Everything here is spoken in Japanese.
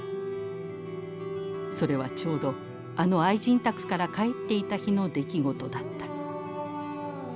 それはちょうどあの愛人宅から帰っていた日の出来事だった。